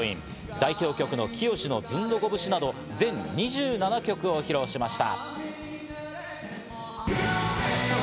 代表曲の『きよしのズンドコ節』など全２７曲を披露しました。